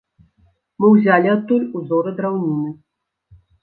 Мы ўзялі адтуль узоры драўніны.